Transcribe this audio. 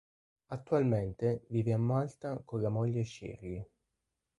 Attualmente vive a Malta con la moglie Shirley.